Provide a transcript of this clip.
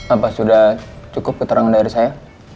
apa sudah cukup keterangan dari saya